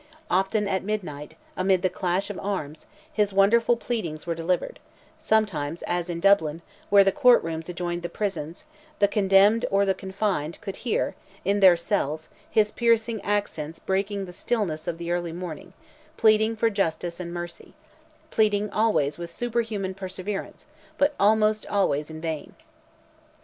Often at midnight, amid the clash of arms, his wonderful pleadings were delivered; sometimes, as in Dublin, where the court rooms adjoined the prisons, the condemned, or the confined, could hear, in their cells, his piercing accents breaking the stillness of the early morning, pleading for justice and mercy—pleading always with superhuman perseverance, but almost always in vain.